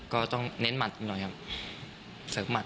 ก็ต้องเน้นหมัดหน่อยครับเสริมหมัด